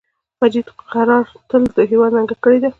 مجید قرار تل د هیواد ننګه کړی ده